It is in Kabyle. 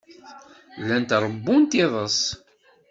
Llant ṛewwunt iḍes.